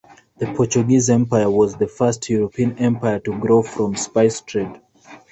The Portuguese Empire was the first European empire to grow from spice trade.